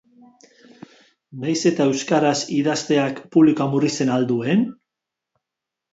Nahiz eta euskaraz idazteak publikoa murrizten ahal duen?